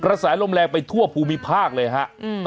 แสลมแรงไปทั่วภูมิภาคเลยฮะ